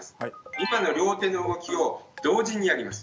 今の両手の動きを同時にやります。